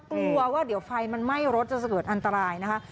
กลัวว่าเดี๋ยวไฟมันไหม้รถจะเกิดอันตรายนะคะ